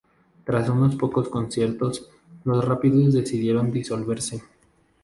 Tras unos pocos conciertos, Los Rápidos decidieron disolverse.